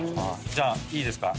じゃあいいですか？